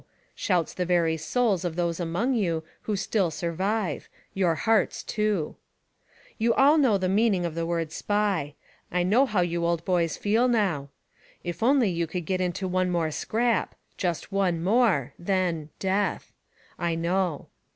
— shouts the very souls of those among you who still survive : Your hearts, too. You all know the meaning of the word "Spy." I know how you old boys feel now: "If only >'«u could get into one more scrap! Just one more; then — death." I know.